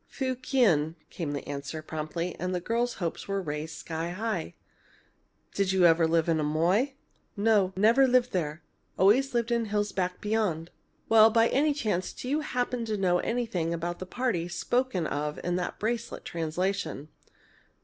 "Fu kien," came the answer, promptly, and the girls' hopes were raised sky high. "Did you ever live in Amoy?" "No, never lived there always in hills back beyond." "Well, do you, by any chance, happen to know anything about the parties spoken of in that bracelet translation?"